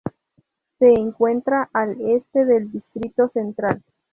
Se encuentra al este del distrito central.